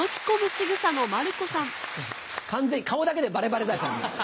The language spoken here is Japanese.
完全に顔だけでバレバレだよ。